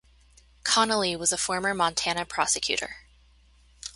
Connolly was a former Montana prosecutor.